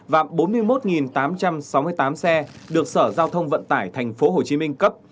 và bốn mươi một tám trăm sáu mươi tám xe được sở giao thông vận tải thành phố hồ chí minh cấp